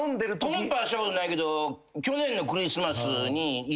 コンパはしたことないけど。